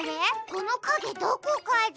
このかげどこかで。